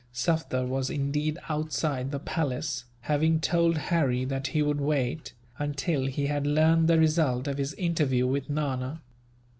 Sufder was indeed outside the palace, having told Harry that he would wait, until he had learned the result of his interview with Nana.